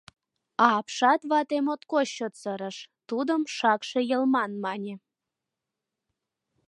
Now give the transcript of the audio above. А апшат вате моткоч чот сырыш, тудым «шакше йылман» мане.